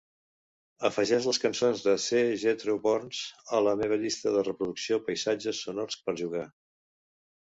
afegeix les cançons de c "jethro" burns a la meva llista de reproducció paisatges sonors per jugar